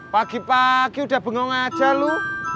pagi pagi udah bengong aja lu